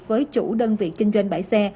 với chủ đơn vị kinh doanh bãi xe